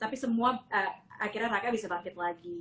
tapi semua akhirnya raka bisa bangkit lagi